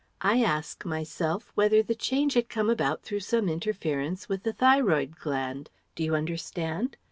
I ask myself whether the change had come about through some interference with the thyroid gland. Do you understand?